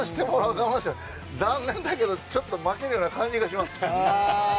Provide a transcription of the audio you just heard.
残念だけど、ちょっと負けるような感じがします。